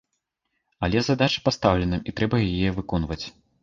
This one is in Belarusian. Але задача пастаўлена, і трэба яе выконваць.